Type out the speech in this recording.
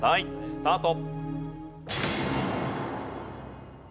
スタート。